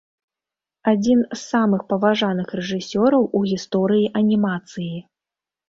Адзін з самых паважаных рэжысёраў у гісторыі анімацыі.